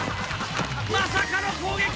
まさかの攻撃！